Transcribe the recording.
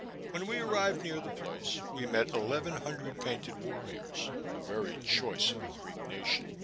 When we arrived near the place, we met eleven hundred painted warriors, the very choice of the Creek nation.